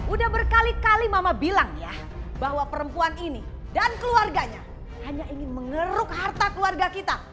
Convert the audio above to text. udah berkali kali mama bilang ya bahwa perempuan ini dan keluarganya hanya ingin mengeruk harta keluarga kita